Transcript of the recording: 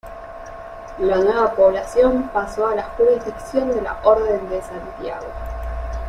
La nueva población pasó a la jurisdicción de la Orden de Santiago.